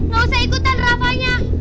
gak usah ikutan rafanya